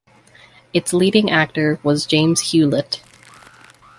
Its leading actor was James Hewlett.